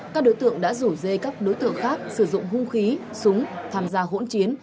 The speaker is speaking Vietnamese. các đối tượng đã rủ dê các đối tượng khác sử dụng hung khí súng tham gia hỗn chiến